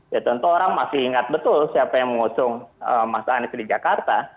ya tentu orang masih ingat betul siapa yang mengusung mas anies di jakarta